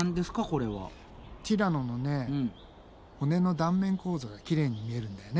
ティラノのね骨の断面構造がきれいに見えるんだよね。